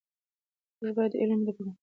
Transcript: موږ باید د علم د پرمختګ لپاره سخته کار وکړو.